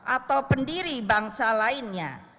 atau pendiri bangsa lainnya